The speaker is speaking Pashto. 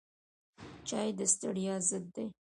چای د ستړیا ضد دی